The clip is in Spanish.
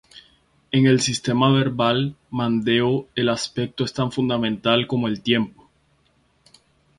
En el sistema verbal mandeo, el aspecto es tan fundamental como el tiempo.